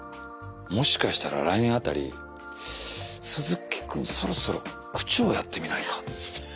もしかしたら来年辺り「鈴木君そろそろ区長をやってみないか？」。